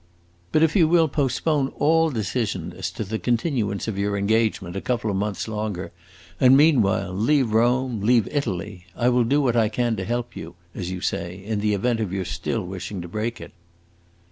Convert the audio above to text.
But if you will postpone all decision as to the continuance of your engagement a couple of months longer, and meanwhile leave Rome, leave Italy, I will do what I can to 'help you,' as you say, in the event of your still wishing to break it."